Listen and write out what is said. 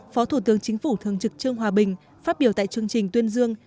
phó thủ tướng chính phủ thường trực trương hòa bình phát biểu tại chương trình tuyên dương